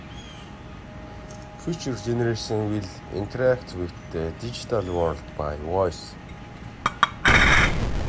Future generations will interact with the digital world by voice.